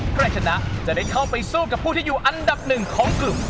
ใครชนะจะได้เข้าไปสู้กับผู้ที่อยู่อันดับหนึ่งของกลุ่ม